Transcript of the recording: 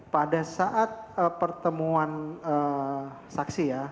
pada saat pertemuan saksi ya